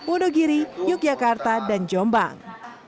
udogiri yogyakarta dan jombang